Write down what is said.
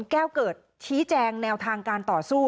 แก้วเกิดชี้แจงแนวทางการต่อสู้